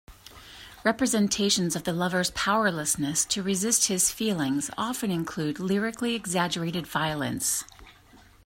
Representations of the lover's powerlessness to resist his feelings often include lyrically exaggerated violence.